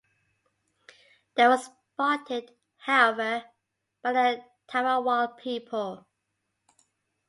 They were spotted, however, by the Tharawal people.